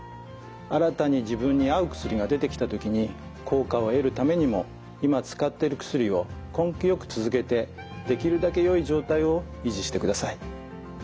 新たに自分に合う薬が出てきた時に効果を得るためにも今使っている薬を根気よく続けてできるだけよい状態を維持してください。